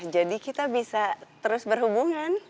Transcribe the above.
jadi kita bisa terus berhubungan